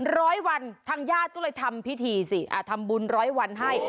ร้อยวันทางญาติก็เลยทำพิธีสิอ่าทำบุญร้อยวันให้